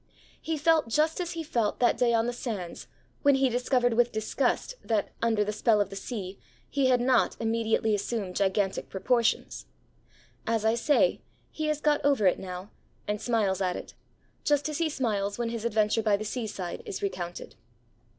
He felt just as he felt that day on the sands when he discovered with disgust that, under the spell of the sea, he had not immediately assumed gigantic proportions. As I say, he has got over it now, and smiles at it, just as he smiles when his adventure by the seaside is recounted.